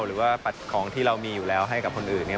หรือว่าปัดของที่เรามีอยู่แล้วให้กับคนอื่นเนี่ย